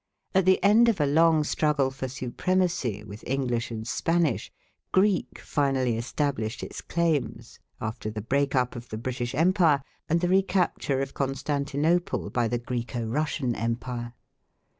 At the end of a long struggle for supremacy with English and Spanish, Greek finally established its claims, after the break up of the British Empire and the recapture of Constantinople by the Græco Russian Empire.